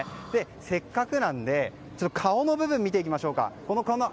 せっかくなので顔の部分を見てみましょう。